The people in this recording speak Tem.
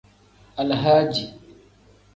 Alahadi.